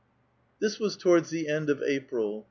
This was towards the end of April.